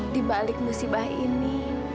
di balik musibah ini